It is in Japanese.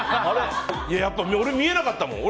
俺、見えなかったもん。